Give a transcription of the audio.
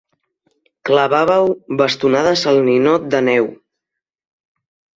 Clavàveu bastonades al ninot de neu.